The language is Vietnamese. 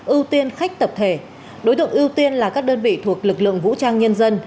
ưu tiên khách tập thể đối tượng ưu tiên là các đơn vị thuộc lực lượng vũ trang nhân dân